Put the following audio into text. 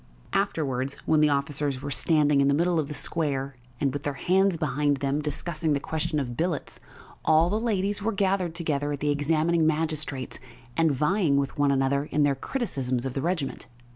Afterwards, when the officers were standing in the middle of the square, and, with their hands behind them, discussing the question of billets, all the ladies were gathered together at the examining magistrate's and vying with one another in their criticisms of the regiment.